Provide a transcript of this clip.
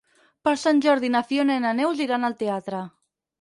Per Sant Jordi na Fiona i na Neus iran al teatre.